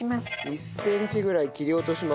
１センチぐらい切り落とします。